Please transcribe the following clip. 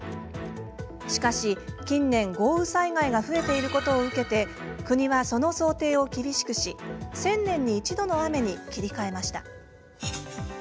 しかし、近年、豪雨災害が増えていることを受けて国はその想定を厳しくし１０００年に一度の雨に切り替えました。